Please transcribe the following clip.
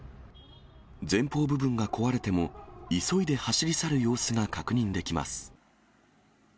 前方部分が壊れても、急いで走り去る様子が確認できます。